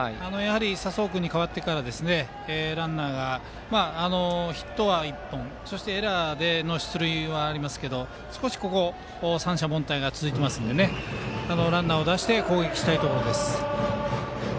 佐宗君に代わってからランナーがヒットは１本そしてエラーでの出塁もありますが少し三者凡退が続きますのでランナーを出して攻撃したいところです。